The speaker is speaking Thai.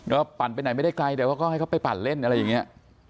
ก็ปั่นไปไหนไม่ได้ไกลแต่ว่าก็ให้เขาไปปั่นเล่นอะไรอย่างนี้